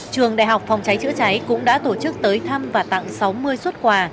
trường đại học phòng cháy chữa cháy cũng đã tổ chức tới thăm và tặng sáu mươi xuất quà